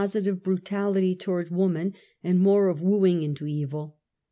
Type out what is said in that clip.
tive brutality towards woman, and more of wooing into evil.